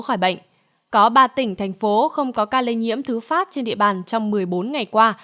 khỏi bệnh có ba tỉnh thành phố không có ca lây nhiễm thứ phát trên địa bàn trong một mươi bốn ngày qua